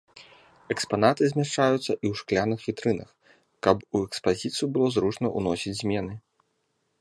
Экспанаты змяшчаюцца і ў шкляных вітрынах, каб у экспазіцыю было зручна ўносіць змены.